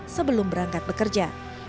sebelum berangkat bekerja